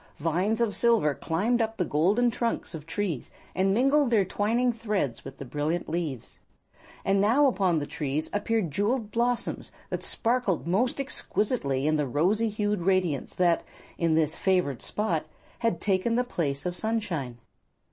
Vines of silver climbed up the golden trunks of trees and mingled their twining threads with the brilliant leaves. And now upon the trees appeared jewelled blossoms that sparkled most exquisitely in the rosy hued radiance that, in this favored spot, had taken the place of sunshine.